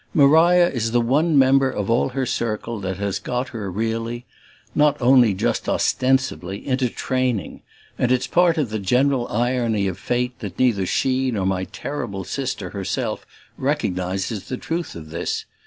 Maria is the one member of all her circle that has got her really, not only just ostensibly, into training; and it's a part of the general irony of fate that neither she nor my terrible sister herself recognizes the truth of this.